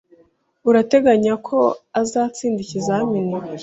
Turateganya ko azatsinda ikizamini